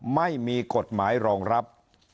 ไม่มีกฎหมายรองรับ